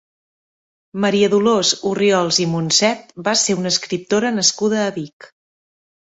María Dolors Orriols i Monset va ser una escriptora nascuda a Vic.